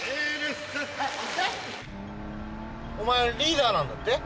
お前リーダーなんだって？